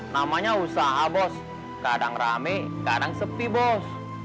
namanya usaha bos kadang rame kadang sepi bos